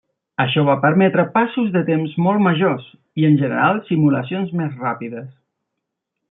Això va permetre passos de temps molt majors i en general simulacions més ràpides.